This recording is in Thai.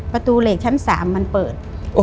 ประตูเหล็กชั้น๓มันเปิด